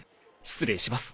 失礼します。